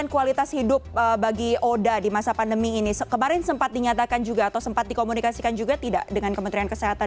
kualitas hidup bagi oda di masa pandemi ini kemarin sempat dinyatakan juga atau sempat dikomunikasikan juga tidak dengan kementerian kesehatan